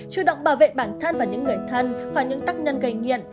chủ động bảo vệ bản thân và những người thân và những tác nhân gây nghiện